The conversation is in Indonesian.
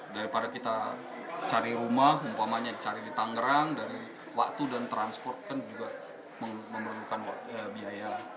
daripada kita cari rumah umpamanya dicari di tangerang dari waktu dan transport kan juga memerlukan biaya